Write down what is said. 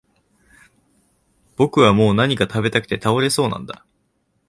僕はもう何か喰べたくて倒れそうなんだ